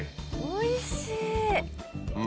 おいしい！